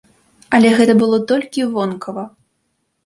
Але гэта было толькі вонкава.